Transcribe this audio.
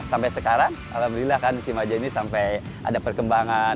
sampai sekarang alhamdulillah kan cimaja ini sampai ada perkembangan